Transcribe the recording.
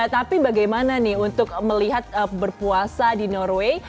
tapi bagaimana nih untuk melihat berpuasa di norway